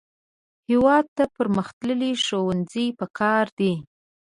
هېواد ته پرمختللي ښوونځي پکار دي